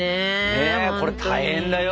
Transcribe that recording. ねこれ大変だよ